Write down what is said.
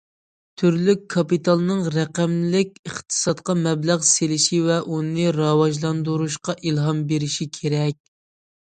تۈرلۈك كاپىتالنىڭ رەقەملىك ئىقتىسادقا مەبلەغ سېلىشى ۋە ئۇنى راۋاجلاندۇرۇشىغا ئىلھام بېرىش كېرەك.